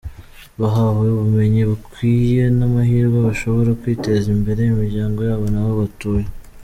Bahawe ubumenyi bukwiye n’amahirwe bashobora kwiteza imbere, imiryango yabo n’aho batuye.